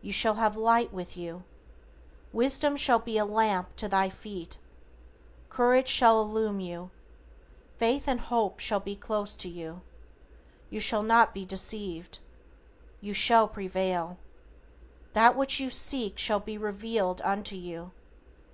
You shall have light with you. Wisdom shall be a lamp to thy feet. Courage shall illumine you. Faith and Hope shall be close to you. You shall not be deceived. You shall prevail. That which you seek shall be revealed unto you.